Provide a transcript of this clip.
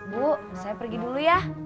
bu saya pergi dulu ya